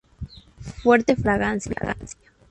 Fuerte fragancia.